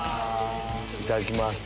いただきます。